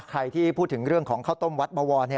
ใครที่พูดถึงเรื่องของข้าวต้มวัดบวร